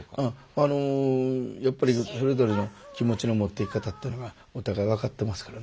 あのやっぱりそれぞれの気持ちの持っていき方っていうのがお互い分かってますからね。